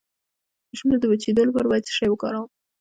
د شونډو د وچیدو لپاره باید څه شی وکاروم؟